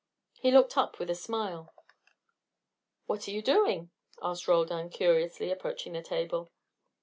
He looked up with a smile. "What are you doing?" asked Roldan, curiously, approaching the table.